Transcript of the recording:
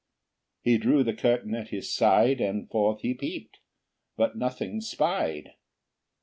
He drew the curtain at his side, And forth he peeped, but nothing spied.